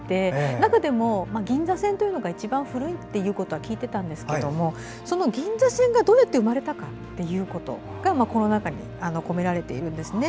中でも、銀座線というのが一番古いということは聞いていたんですけどその銀座線がどうやって生まれたかがこの中に込められているんですね。